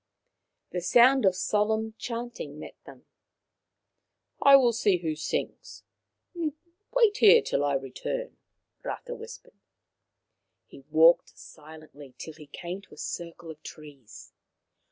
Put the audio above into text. The sound of solemn chanting met them. " I will see who sings. Wait here till I return," Rata whispered. He walked silently till he came to a circle of trees.